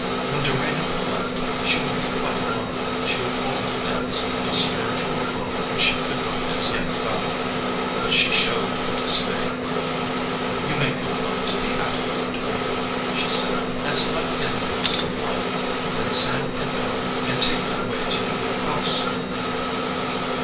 When Dorena left she would be quite alone. She would fall to 3 EDGEWATER PEOPLE depths of spiritual woe which she could not as yet fathom ; but she showed no dismay. "You may go up in the attic, Dorena," she said, "and select anything you would like ; then Sam can come and take them away to your new house."